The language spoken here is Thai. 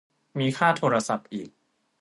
มีค่าโทรศัพท์อีก